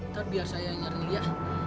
ntar biar saya nyari lia